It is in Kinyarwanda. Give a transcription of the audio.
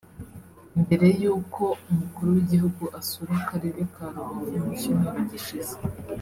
Mbere y’uko umukuru w’Igihugu asura Akarere ka Rubavu mu Cyumweru gishize